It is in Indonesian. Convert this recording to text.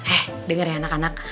eh dengar ya anak anak